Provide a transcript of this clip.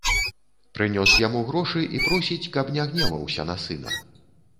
Прынёс яму грошы і просіць, каб не гневаўся на сына.